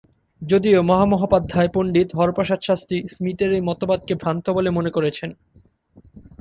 যদিও মহামহোপাধ্যায় পণ্ডিত হরপ্রসাদ শাস্ত্রী স্মিথের এই মতবাদকে ভ্রান্ত বলে মনে করেছেন।